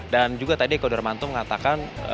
dan juga tadi eko darmanto mengatakan